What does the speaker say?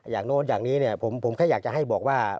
อย่างโน้นอย่างนี้ผมแค่อยากจะให้บอกว่า